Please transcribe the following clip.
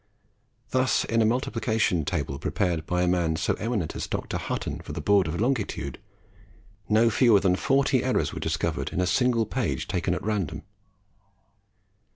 Thus in a multipltcation table prepared by a man so eminent as Dr. Hutton for the Board of Longitude, no fewer than forty errors were discovered in a single page taken at random.